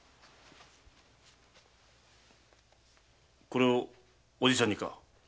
これをおじちゃんにか？